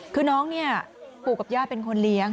คือน้องปลูกกับญาติเป็นคนเลี้ยง